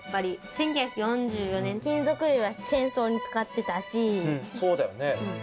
１９４４年、金属類は戦争に使っそうだよね。